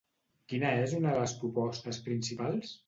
Quina és una de les propostes principals?